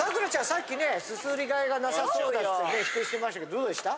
さっきねすすりがいがなさそうだってね否定してましたけどどうでした？